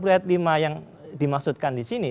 pasal dua puluh ayat lima yang dimaksudkan disini